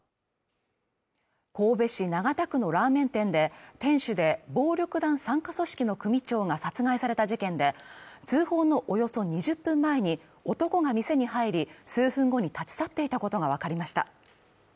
神戸市長田区のラーメン店で、店主で、暴力団傘下組織の組長が殺害された事件で、通報のおよそ２０分前に男が店に入り、数分後に立ち去っていたことがわかりました。